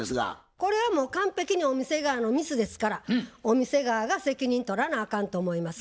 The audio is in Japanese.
これはもう完璧にお店側のミスですからお店側が責任取らなあかんと思います。